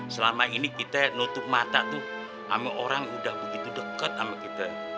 selama ini kita nutup mata tuh sama orang udah begitu dekat sama kita